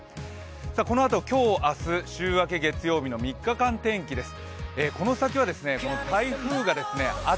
このあと今日、明日、週明け月曜日の３日間天気です。